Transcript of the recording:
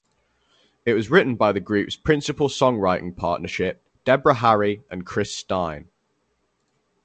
It was written by the group's principal songwriting partnership, Deborah Harry and Chris Stein.